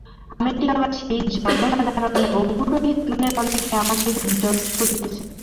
আমেরিকাবাসী জনসাধারণ এবং পুরোহিতগণের অনেকেই আমাকে খুব যত্ন করিতেছেন।